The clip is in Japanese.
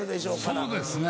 そうですね。